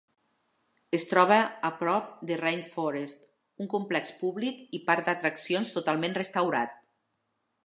Es troba a prop de Rainforest, un complex públic i parc d'atraccions totalment restaurat.